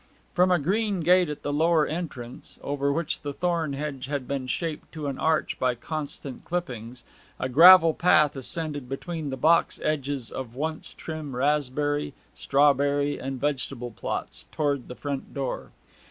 From a green gate at the lower entrance, over which the thorn hedge had been shaped to an arch by constant clippings, a gravel path ascended between the box edges of once trim raspberry, strawberry, and vegetable plots, towards the front door.